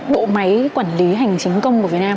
bộ máy quản lý hành chính công của việt nam